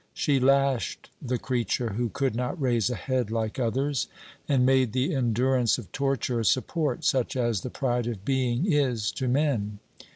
She lashed the creature who could not raise a head like others, and made the endurance of torture a support, such as the pride of being is to men.